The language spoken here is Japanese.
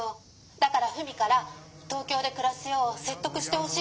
だからフミから東京でくらすようせっとくしてほしいの。